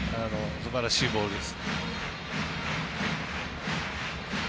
すばらしいボールです。